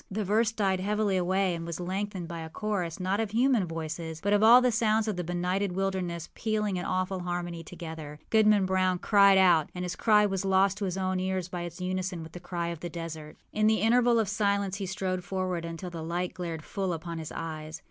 The verse died heavily away, and was lengthened by a chorus, not of human voices, but of all the sounds of the benighted wilderness pealing in awful harmony together. Goodman Brown cried out, and his cry was lost to his own ear by its unison with the cry of the desert. In the interval of silence he stole forward until the light glared full upon his eyes.